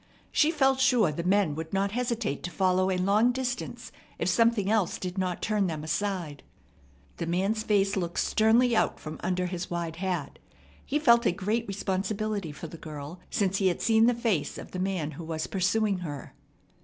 She felt sure the men would not hesitate to follow a long distance if something else did not turn them aside. The man's face looked sternly out from under his wide hat. He felt a great responsibility for the girl since he had seen the face of the man who was pursuing her.